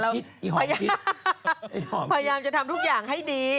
พยายามจะทำทุกอย่างให้ดี